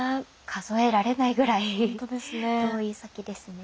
数えられないぐらい遠い先ですね。